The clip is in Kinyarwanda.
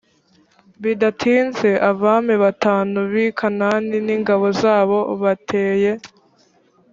bidatinze abami batanu bi kanani n ingabo zabo bateye